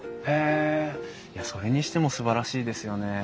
へえいやそれにしてもすばらしいですよね。